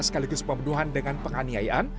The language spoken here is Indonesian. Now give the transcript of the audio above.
sekaligus pembunuhan dengan penganiayaan